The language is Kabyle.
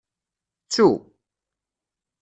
Ttu!